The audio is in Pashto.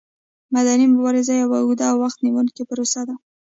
مدني مبارزه یوه اوږده او وخت نیوونکې پروسه ده.